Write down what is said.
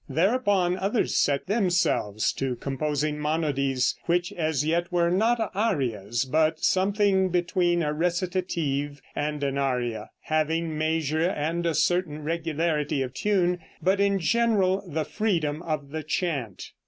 Thereupon others set themselves to composing monodies, which, as yet, were not arias, but something between a recitative and an aria, having measure and a certain regularity of tune, but in general the freedom of the chant.